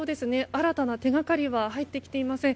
新たな手掛かりは入ってきていません。